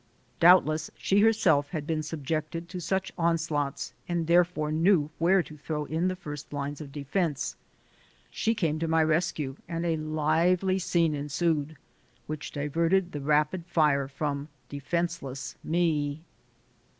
Doubtless she herself had been subjected to such onslaughts and therefore 142 THE SOUL OF AN IMMIGRANT knew where to throw in the first lines of defense. She came to my rescue and a lively scene ensued, which diverted the rapid fire from defenseless me.